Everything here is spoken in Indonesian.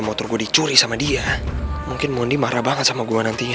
kalau dicuri sama dia mungkin mondi marah banget sama gua nantinya